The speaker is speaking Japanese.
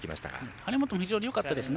張本も非常によかったですね。